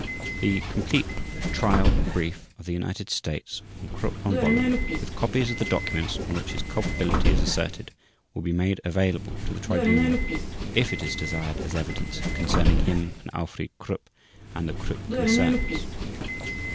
The complete trial brief of the United States on Krupp von Bohlen with copies of the documents on which his culpability is asserted will be made available to the Tribunal if it is desired as evidence concerning him and Alfried Krupp and the Krupp concerns.